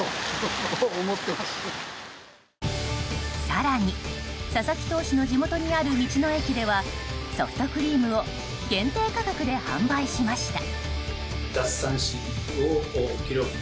更に佐々木投手の地元にある道の駅ではソフトクリームを限定価格で販売しました。